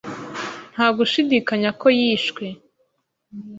Nta gushidikanya ko yishwe.